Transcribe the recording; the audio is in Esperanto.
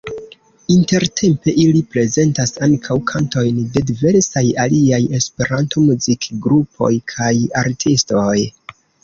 Intertempe ili prezentas ankaŭ kantojn de diversaj aliaj Esperanto-muzikgrupoj kaj -artistoj.